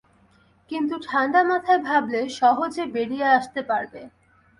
কিন্তু ঠান্ডা মাথায় ভাবলে সহজে বেরিয়ে আসতে পারবে।